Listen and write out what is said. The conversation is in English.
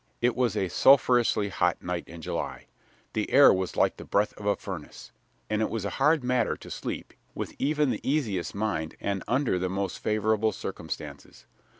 It was a sulphurously hot night in July. The air was like the breath of a furnace, and it was a hard matter to sleep with even the easiest mind and under the most favorable circumstances.